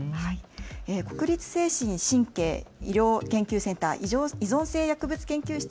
国立精神・神経医療研究センター依存性薬物研究室